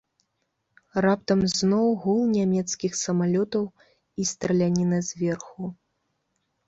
Раптам зноў гул нямецкіх самалётаў і страляніна зверху.